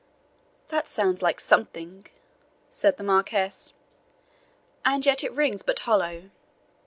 "That sounds like something," said the Marquis, "and yet it rings but hollow.